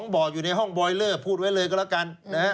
บอกอยู่ในห้องบอยเลอร์พูดไว้เลยก็แล้วกันนะฮะ